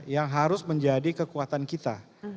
yang harus menjadi kekuatan kita